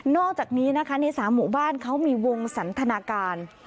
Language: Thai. อกจากนี้นะคะใน๓หมู่บ้านเขามีวงสันทนาการ